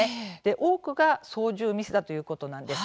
多くが操縦ミスだということなんです。